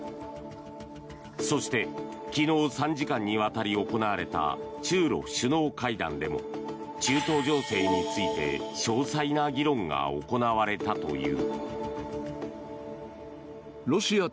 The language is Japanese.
そして昨日、３時間にわたり行われた中ロ首脳会談でも中東情勢について詳細な議論が行われたという。